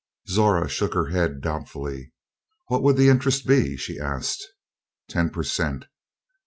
Zora shook her head doubtfully. "What would the interest be?" she asked. "Ten per cent."